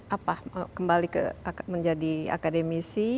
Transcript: apa kembali menjadi akademisi